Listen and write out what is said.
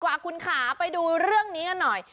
กว่าคุณขาไปดูเรื่องนี้กันหน่อย